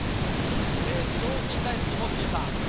賞金大好きモッチーさん。